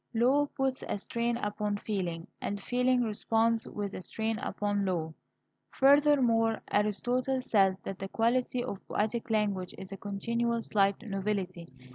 Law puts a strain upon feeling, and feeling responds with a strain upon law. Furthermore, Aristotle says that the quality of poetic language is a continual slight novelty.